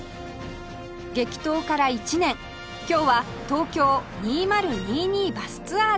激闘から１年今日は東京２０２２バスツアーです